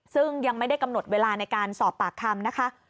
ซึ่งยังไม่ได้กำหนดเวลาในการสอบปากคำนะคะ